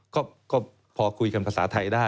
ก็พอคุยกันภาษาไทยได้